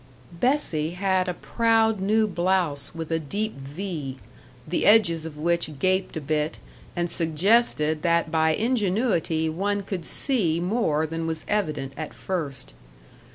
Bessie had a proud new blouse with a deep V, the edges of which gaped a bit and suggested that by ingenuity one could see more than was evident at first.